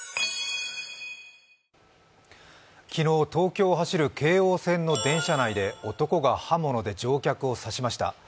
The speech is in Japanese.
昨日、東京を走る京王線の電車内で男が刃物で乗客を刺しました。